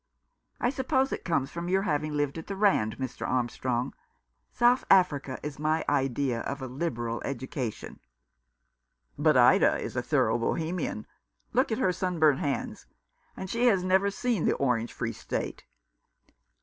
I suppose it comes of your having lived at the Rand, Mr. Armstrong. South Africa is my idea of a liberal education." " But Ida is a thorough Bohemian. Look at her sunburnt hands ! And she has never seen the Orange Free State."